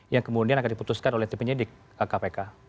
yang kemudian akan diputuskan oleh tim penyidik kpk